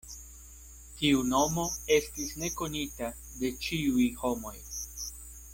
Tiu nomo estis nekonita de ĉiuj homoj.